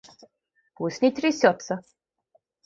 Пусть не трясется!